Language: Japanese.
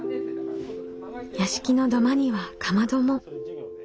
屋敷の土間にはかまども。